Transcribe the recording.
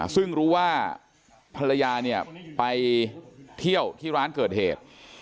ซึ่งรู้ว่าภรรยาเนี่ยไปเที่ยวที่ร้านเกิดเหตุ